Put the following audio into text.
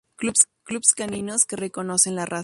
Clubs caninos que reconocen la raza